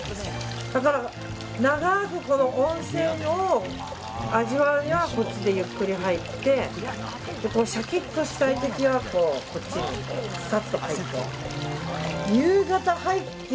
だから、長く温泉を味わうにはこっちでゆっくり入ってシャキッとしたい時はこっちにさっと入って。